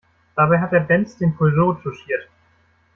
Dabei hat der Benz den Peugeot touchiert.